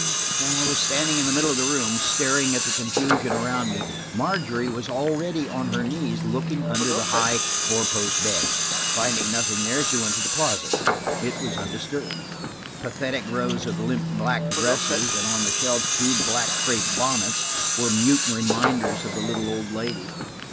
While I was standing in the middle of the room, staring at the confusion around me, Margery was already on her knees, looking under the high, four post bed. Finding nothing there she went to the closet. It was undisturbed. Pathetic rows of limp black dresses and on the shelves two black crepe bonnets were mute reminders of the little old lady.